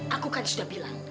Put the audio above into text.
aku kan sudah bilang